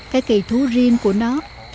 cái kỳ thú riêng của nó